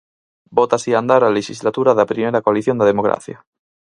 Bota así a andar a lexislatura da primeira coalición da democracia.